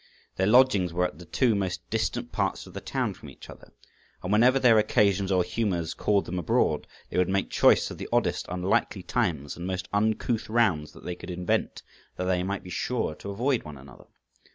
Their lodgings were at the two most distant parts of the town from each other, and whenever their occasions or humours called them abroad, they would make choice of the oddest, unlikely times, and most uncouth rounds that they could invent, that they might be sure to avoid one another.